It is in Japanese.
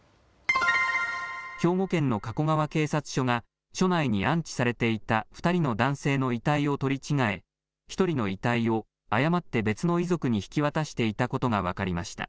兵庫県の加古川警察署が署内に安置されていた２人の男性の遺体を取り違え１人の遺体を誤って別の遺族に引き渡していたことが分かりました。